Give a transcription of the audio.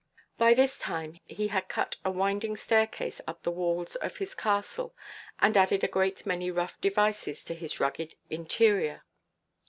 By this time, he had cut a winding staircase up the walls of his castle, and added a great many rough devices to his rugged interior.